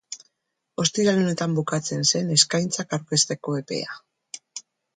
Ostiral honetan bukatzen zen eskaintzak aurkezteko epea.